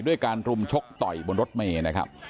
ด้วยการรุมชกต่อยบนรถเมย์นะครับ